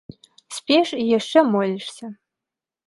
Спіш і яшчэ молішся.